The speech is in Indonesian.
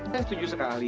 saya setuju sekali